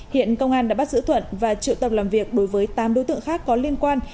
hiện công an đã bắt giữ thuận và triệu tầm làm việc đối với tám đối tượng khác có liên quan